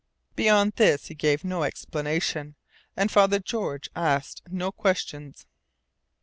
Beyond this he gave no explanation. And Father George asked no questions.